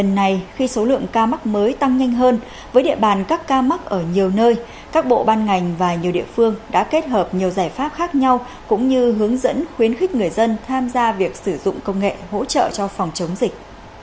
chính vì vậy trong đợt dịch lần này khi số lượng ca mắc mới tăng nhanh hơn với địa bàn các ca mắc ở nhiều nơi các bộ ban ngành và nhiều địa phương đã kết hợp nhiều giải pháp khác nhau cũng như hướng dẫn khuyến khích người dân tham gia việc sử dụng công nghệ hỗ trợ cho phòng chống dịch